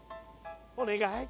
お願い。